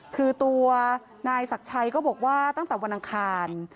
คือตัวนายศักดิ์ชัยก็บอกว่าตั้งแต่วันอังคาร